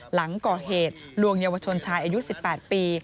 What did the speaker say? หลังก่อเหตุลวงเยาวชนชายอายุ๑๘ปี